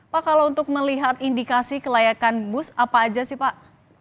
pak kalau untuk melihat indikasi kelayakan bus apa aja sih pak